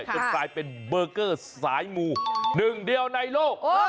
จนกลายเป็นเบอร์เกอร์สายมูหนึ่งเดียวในโลก